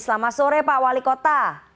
selamat sore pak wali kota